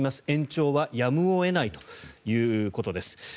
延長はやむを得ないということです。